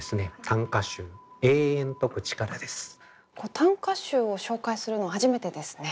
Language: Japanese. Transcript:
短歌集を紹介するの初めてですね。